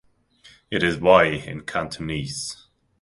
It is Wai in Cantonese.